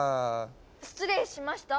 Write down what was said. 失礼しました！